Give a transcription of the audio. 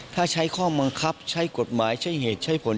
ถ้าใช้ข้อบังคับใช้กฎหมายใช้เหตุใช้ผล